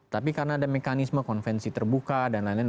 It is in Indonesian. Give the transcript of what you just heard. tapi karena ada mekanisme konvensi terbuka dan lain lain